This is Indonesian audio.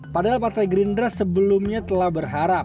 padahal partai gerindra sebelumnya telah berharap